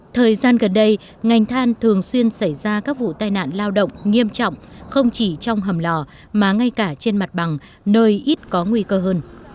thời gian gần đây ngành than thường xuyên xảy ra các vụ tai nạn lao động nghiêm trọng không chỉ trong hầm lò mà ngay cả trên mặt bằng nơi ít có nguy cơ hơn